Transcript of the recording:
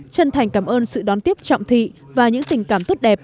chân thành cảm ơn sự đón tiếp trọng thị và những tình cảm tốt đẹp